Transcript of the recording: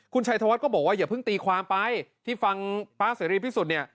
คุณชัยธวัฒน์ก็บอกว่าอย่าเพิ่งตีความไปที่ฟังพระเสรีพิสุทธิ์เนี่ย